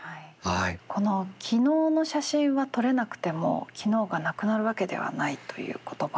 この「昨日の写真は撮れなくても昨日がなくなるわけではない」という言葉